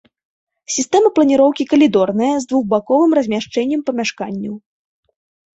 Сістэма планіроўкі калідорная, з двухбаковым размяшчэннем памяшканняў.